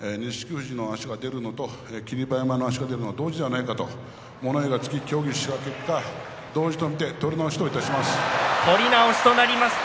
富士の足が出るのと霧馬山の足が出ると同時ではないかと物言いがつき協議した結果取り直しとなりました。